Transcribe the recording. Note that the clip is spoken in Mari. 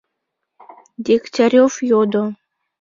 — Дегтярев йодо.